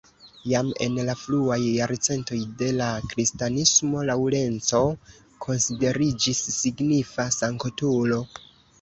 Jam en la fruaj jarcentoj de la kristanismo Laŭrenco konsideriĝis signifa sanktulo.